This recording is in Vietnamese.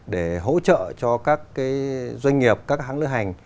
để hỗ trợ cho các doanh nghiệp các hãng lữ hành